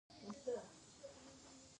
افغانستان له بدخشان ډک دی.